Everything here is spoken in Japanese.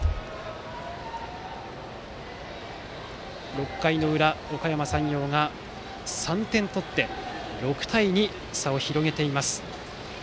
６回の裏、おかやま山陽が３点を取って６対２、差を広げています。